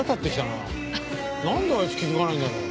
なんであいつ気づかないんだろう？